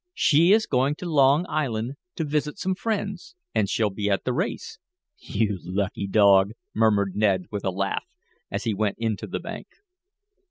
"She is going to Long Island to visit some friends, and she'll be at the race." "You lucky dog," murmured Ned with a laugh, as he went into the bank.